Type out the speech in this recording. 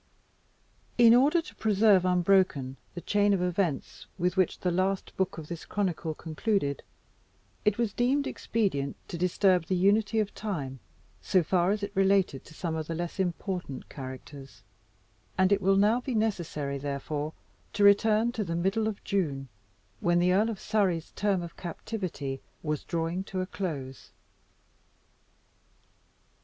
IN order to preserve unbroken the chain of events with which the last book of this chronicle concluded, it was deemed expedient to disturb the unity of time, so far as it related to some of the less important characters; and it will now be necessary, therefore, to return to the middle of June, when the Earl of Surrey's term of captivity was drawing to a close.